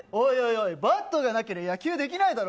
おいバットがなけりゃ野球はできないだろ。